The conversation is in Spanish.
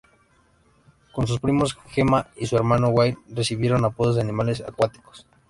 Como sus primos Gemma y su hermano Wayne recibieron apodos de animales acuáticos.